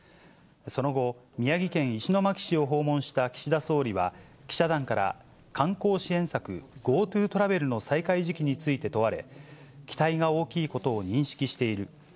その後、宮城県石巻市を訪問した岸田総理は、記者団から、観光支援策、ＧｏＴｏトラベルの再開時期について問われ、期待が大きいことを認識している。